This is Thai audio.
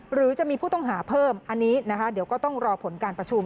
หรือจะมีผู้ต้องหาเพิ่มอันนี้นะคะเดี๋ยวก็ต้องรอผลการประชุม